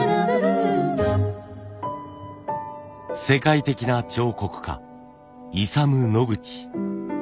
世界的な彫刻家イサム・ノグチ。